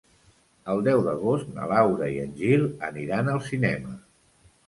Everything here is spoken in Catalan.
El deu d'agost na Laura i en Gil aniran al cinema.